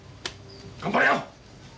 頑張れよ！